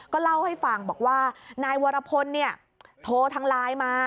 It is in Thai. ก็เล่าให้ฟังบอกว่านายวรพลโทรทางไลน์มา